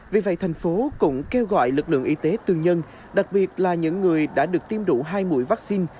vì vậy thành phố cũng kêu gọi lực lượng y tế tư nhân đặc biệt là những người đã được tiêm đủ hai mũi vaccine